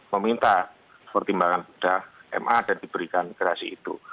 meminta pertimbangan sudah ma dan diberikan gerasi itu